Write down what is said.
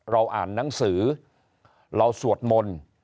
เราอ่านหนังสือเราสวดมนต์